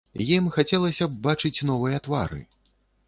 Ім хацелася б бачыць новыя твары.